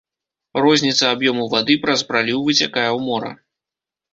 Розніца аб'ёму вады праз праліў выцякае ў мора.